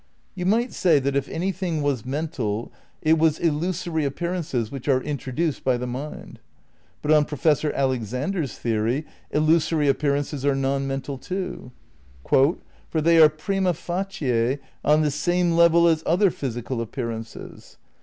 You might say that if anything was mental it was illusory appearances which are "introduced by the mind." But on Professor Alexander's theory illusory appearances are non mental too. "For they are prima facie on the same level as other physical appearances.